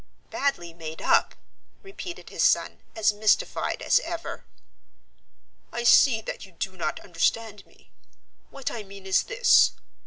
"Badly made up?" repeated his son, as mystified as ever. "I see that you do not understand me. What I mean is this.